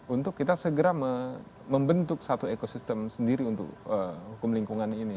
untuk kita segera membentuk satu ekosistem sendiri untuk hukum lingkungan ini